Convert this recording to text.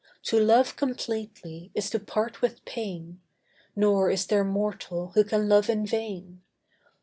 To love completely is to part with pain, Nor is there mortal who can love in vain.